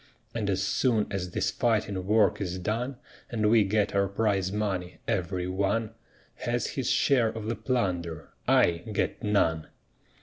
And as soon as this fighting work is done, And we get our prize money, every one Has his share of the plunder I get none."